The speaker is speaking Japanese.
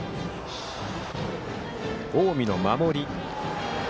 近江の守り。